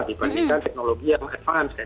dibandingkan teknologi yang advance kan